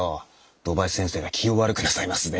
土橋先生が気を悪くなさいますぜ。